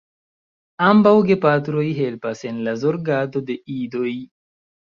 Ambaŭ gepatroj helpas en la zorgado de idoj.